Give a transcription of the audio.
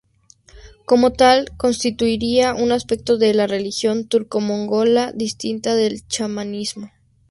Como tal constituiría un aspecto de la religión turco-mongola, distinta del chamanismo.